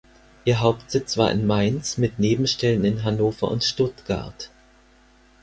Ihr Hauptsitz war in Mainz mit Nebenstellen in Hannover und Stuttgart.